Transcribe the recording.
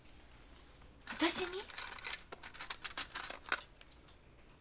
私に？